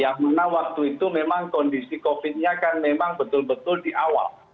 yang mana waktu itu memang kondisi covid nya kan memang betul betul di awal